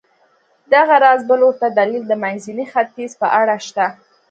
دغه راز بل ورته دلیل د منځني ختیځ په اړه شته.